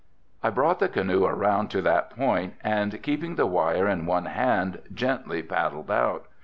I brought the canoe around to that point, and keeping the wire in one hand, gently paddled out.